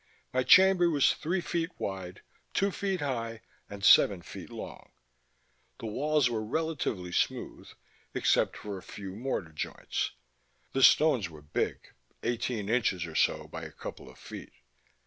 My chamber was three feet wide, two feet high, and seven feet long. The walls were relatively smooth, except for a few mortar joints. The stones were big: eighteen inches or so by a couple of feet.